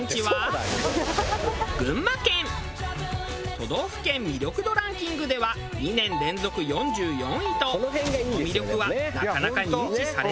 都道府県魅力度ランキングでは２年連続４４位とその魅力はなかなか認知されていない。